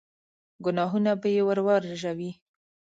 ګناهونه به يې ور ورژوي.